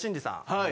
はい。